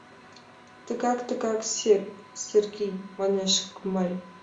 — Тыгак, тыгак, Сергий! — манеш Гмарь.